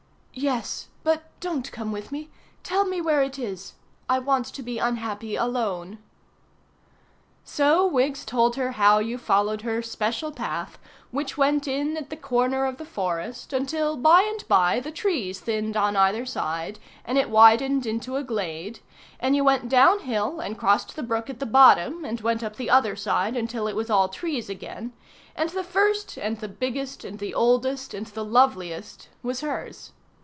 "Yes, but don't come with me; tell me where it is. I want to be unhappy alone." So Wiggs told her how you followed her special path, which went in at the corner of the forest, until by and by the trees thinned on either side, and it widened into a glade, and you went downhill and crossed the brook at the bottom and went up the other side until it was all trees again, and the first and the biggest and the oldest and the loveliest was hers.